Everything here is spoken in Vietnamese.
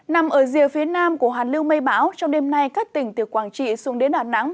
nằm ở rìa phía nam của hàn lưu mây bão trong đêm nay các tỉnh từ quảng trị xuống đến đà nẵng